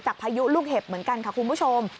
พายุลูกเห็บเหมือนกันค่ะคุณผู้ชม